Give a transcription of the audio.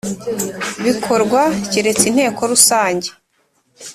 bikorwa keretse Inteko rusange